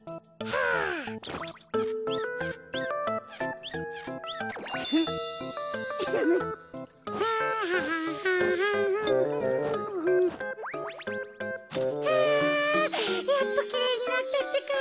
はあやっときれいになったってか。